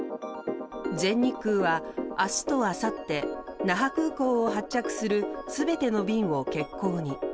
全日空は明日とあさって那覇空港を発着する全ての便を欠航に。